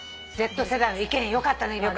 Ｚ世代の意見よかったね。